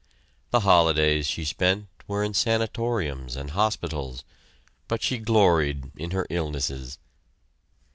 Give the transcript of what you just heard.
The holidays she spent were in sanatoriums and hospitals, but she gloried in her illnesses.